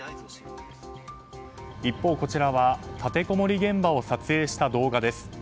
一方こちらは、立てこもり現場を撮影した動画です。